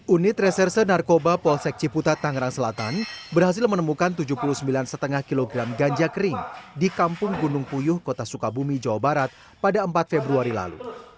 unit reserse narkoba polsek ciputat tangerang selatan berhasil menemukan tujuh puluh sembilan lima kg ganja kering di kampung gunung puyuh kota sukabumi jawa barat pada empat februari lalu